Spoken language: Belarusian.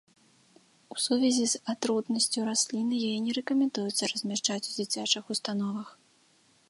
У сувязі з атрутнасцю расліны яе не рэкамендуецца размяшчаць у дзіцячых установах.